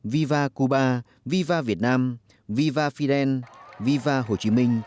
viva cuba viva việt nam viva fidel viva hồ chí minh